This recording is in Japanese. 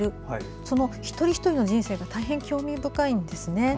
その一人一人の人生が大変、興味深いんですね。